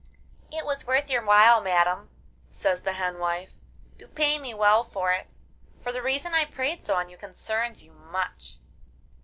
'It was worth your while, madam,' says the hen wife, 'to pay me well for it, for the reason I prayed so on you concerns you much.